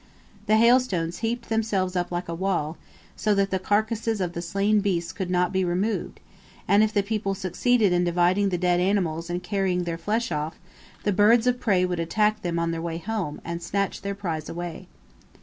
The hailstones heaped themselves up like a wall, so that the carcasses of the slain beasts could not be removed, and if the people succeeded in dividing the dead animals and carrying their flesh off, the birds of prey would attack them on their way home, and snatch their prize away.